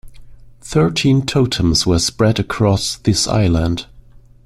Thirteen totems were spread across this island.